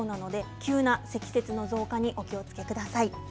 急な積雪の増加にお気をつけください。